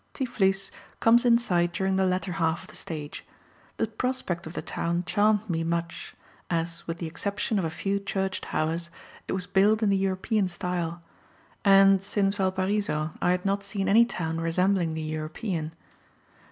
Tiflis comes in sight during the latter half of the stage. The prospect of the town charmed me much; as, with the exception of a few church towers, it was built in the European style; and, since Valparaiso, I had not seen any town resembling the European.